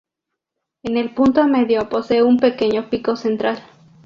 En el punto medio posee un pequeño pico central.